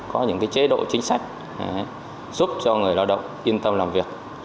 có những chế độ chính sách giúp cho người lao động yên tâm làm việc